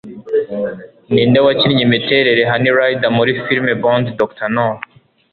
Ninde Wakinnye Imiterere Honey Ryder Muri Filime Bond Dr No